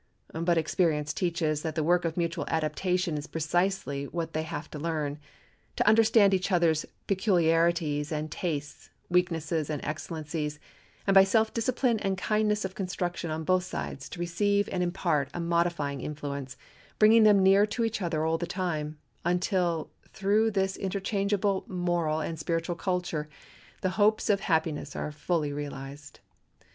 But experience teaches that the work of mutual adaptation is precisely what they have to learn, to understand each other's peculiarities and tastes, weaknesses and excellencies, and by self discipline and kindness of construction on both sides to receive and impart a modifying influence, bringing them nearer each other all the time, until through this interchangeable moral and spiritual culture the hopes of happiness are fully realized.